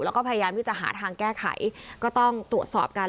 แล้วก็พยายามที่จะหาทางแก้ไขก็ต้องตรวจสอบกัน